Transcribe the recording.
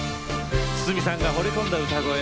筒美さんが、ほれ込んだ歌声。